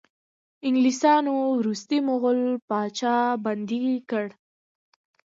انګلیسانو وروستی مغول پاچا بندي کړ.